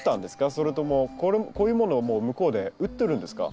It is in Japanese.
それともこういうものをもう向こうで売ってるんですか？